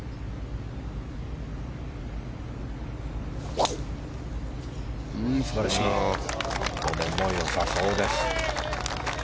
これもよさそうです。